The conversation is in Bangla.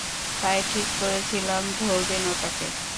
তাই ঠিক করেছিলেন ধরবেন ওটাকে।